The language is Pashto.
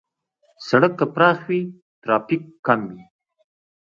سړک که پراخ وي، ترافیک کم وي.